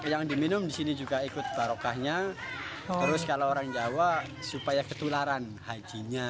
yang diminum di sini juga ikut barokahnya terus kalau orang jawa supaya ketularan hajinya